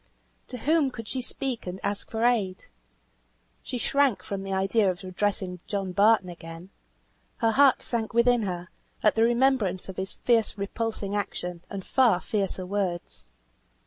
To whom could she speak and ask for aid? She shrank from the idea of addressing John Barton again; her heart sank within her, at the remembrance of his fierce repulsing action, and far fiercer words.